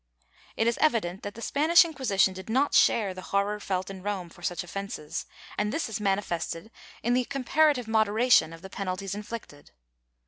^ It is evident that the Spanish Inquisition did not share the horror felt in Rome for such offences, and this is manifested in the comparative moderation of the penalties inflicted.